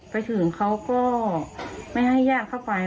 ไปถึงเขาก็ไม่ให้ญาติเข้าไป